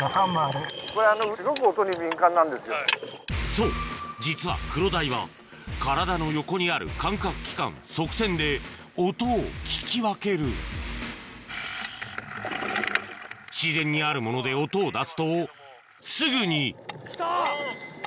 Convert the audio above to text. そう実はクロダイは体の横にある感覚器官側線で音を聞き分ける自然にあるもので音を出すとすぐに来た！